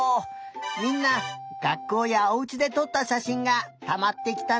みんながっこうやおうちでとったしゃしんがたまってきたね。